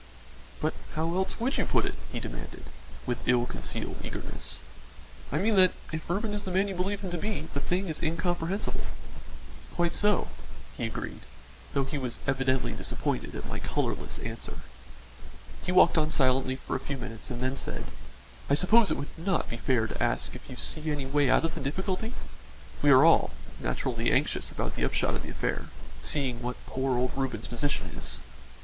"But how else would you put it?" he demanded, with ill concealed eagerness. "I mean that, if Reuben is the man you believe him to be, the thing is incomprehensible." "Quite so," he agreed, though he was evidently disappointed at my colourless answer. He walked on silently for a few minutes and then said: "I suppose it would not be fair to ask if you see any way out of the difficulty? We are all, naturally anxious about the upshot of the affair, seeing what poor old Reuben's position is."